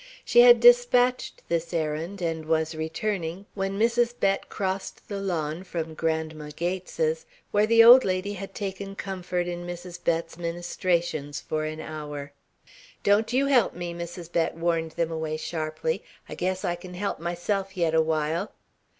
She had dispatched this errand and was returning when Mrs. Bett crossed the lawn from Grandma Gates's, where the old lady had taken comfort in Mrs. Bett's ministrations for an hour. "Don't you help me," Mrs. Bett warned them away sharply. "I guess I can help myself yet awhile."